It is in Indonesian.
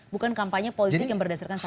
bukan kampanye politik yang berdasarkan